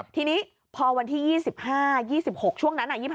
ทีนี้พอวันที่๒๕๒๖ช่วงนั้น๒๕